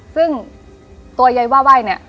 ซึ่งตัวยายว่าไหว้เนี่ย